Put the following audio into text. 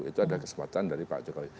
itu ada kesempatan dari pak jokowi